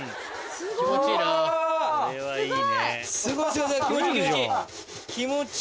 すごい！